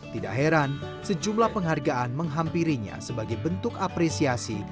sekarang sejumlah penghargaan menghampirinya sebagai bentuk apresiasi